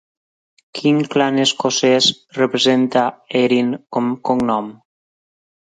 Quin clan escocès representa Erin com cognom?